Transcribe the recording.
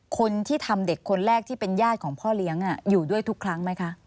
คนที่ทำเด็กคนแรกที่เป็นญาติของพ่อเลี้ยงอยู่ด้วยทุกครั้งไหมคะ